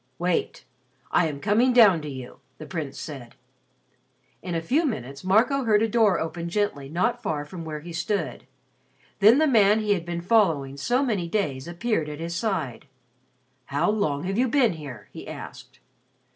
"] "Wait. I am coming down to you," the Prince said. In a few minutes Marco heard a door open gently not far from where he stood. Then the man he had been following so many days appeared at his side. "How long have you been here?" he asked.